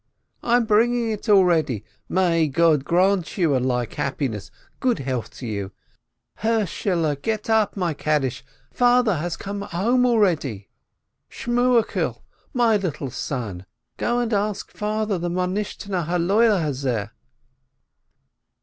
"I'm bringing it already ! May God grant you a like happiness ! Good health to you ! Hershele, get up, my Kaddish, father has come home already ! Shmuelkil, my little son, go and ask father the Four Questions."